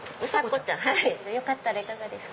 よかったらいかがですか？